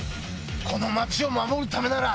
この街を守るためなら。